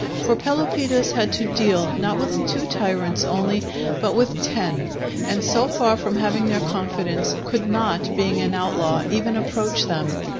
For Pelopidas had to deal, not with two tyrants only, but with ten; and so far from having their confidence, could not, being an outlaw, even approach them.